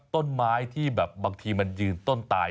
ต้นไม้ที่แบบบางทีมันยืนต้นตาย